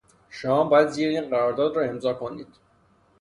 شما باید زیر این قرارداد را امضا کنید.